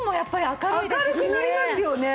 明るくなりますよね。